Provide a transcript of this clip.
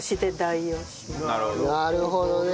なるほどね。